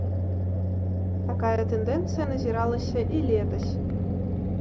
Такая тэндэнцыя назіралася і летась.